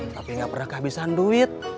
tapi gak pernah kehabisan duit